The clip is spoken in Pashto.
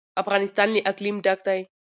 افغانستان له اقلیم ډک دی.